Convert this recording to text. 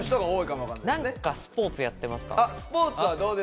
何かスポーツ、やってますか？